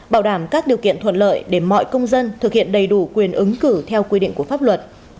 bảo đảm các điều kiện thuận lợi để mọi công dân thực hiện đầy đủ quyền ứng cử theo quy định của pháp luật